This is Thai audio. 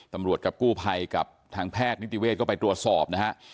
กับกู้ภัยกับทางแพทย์นิติเวศก็ไปตรวจสอบนะฮะ